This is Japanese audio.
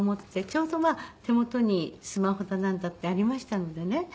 ちょうど手元にスマホだなんだってありましたのでね。